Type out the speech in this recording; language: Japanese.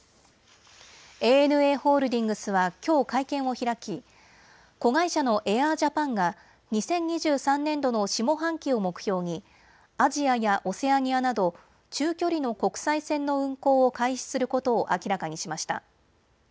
ＡＮＡホールディングスはきょう会見を開き子会社のエアージャパンが、２０２３年度の下半期を目標にアジアやオセアニアなど中距離の国際線の運航を開始することを明らかにしました。